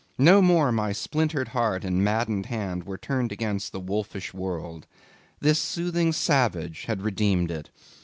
No more my splintered heart and maddened hand were turned against the wolfish world. This soothing savage had redeemed it.